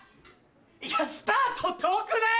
いやスタート遠くない？